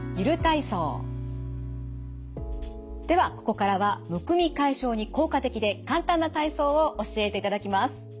ではここからはむくみ解消に効果的で簡単な体操を教えていただきます。